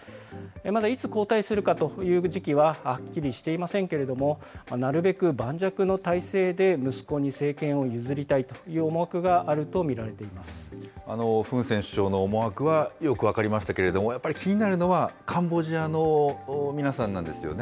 まだいつ交代するかという時期ははっきりしていませんけれども、なるべく盤石の体制で息子に政権を譲りたいという思惑があると見フン・セン首相の思惑はよく分かりましたけれども、やっぱり気になるのは、カンボジアの皆さんなんですよね。